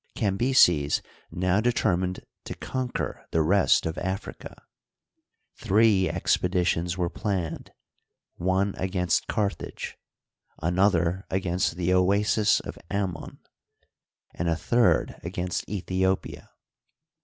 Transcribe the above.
Cambyses now determined to conquer the rest of Africa. Three expeditions were planned — one against Carthage, another against the Oasis of Amon, and a third against Aethiopia.